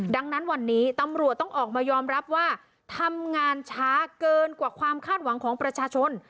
ดังนั้นวันนี้ตำรวจต้องออกมายอมรับว่าทำงานช้าเกินกว่าความคาดหวังของประชาชน